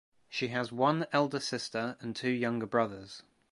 She has one elder sister and two younger brothers.